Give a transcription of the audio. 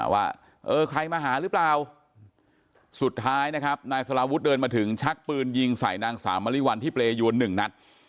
ว่าเออใครมาหาหรือเปล่าสุดท้ายนะครับนายสลาวุฒิเดินมาถึงชักปืนยิงใส่นางสาวมริวัลที่เปรยวนหนึ่งนัด